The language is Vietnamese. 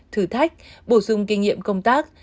thử thách bổ sung kinh nghiệm công tác